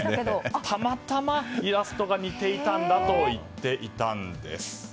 たまたまイラストが似てたんだと言っていたんです。